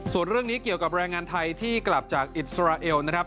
ส่วนเรื่องนี้เกี่ยวกับแรงงานไทยที่กลับจากอิสราเอลนะครับ